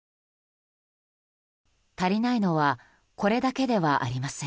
足りないのはこれだけではありません。